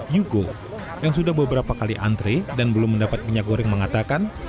yugo yang sudah beberapa kali antre dan belum mendapat minyak goreng mengatakan